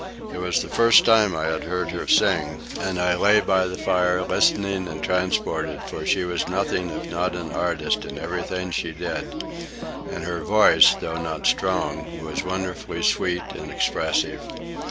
It was the first time I had heard her sing, and I lay by the fire, listening and transported, for she was nothing if not an artist in everything she did, and her voice, though not strong, was wonderfully sweet and expressive.